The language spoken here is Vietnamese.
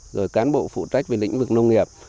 rồi cán bộ phụ trách về lĩnh vực nông nghiệp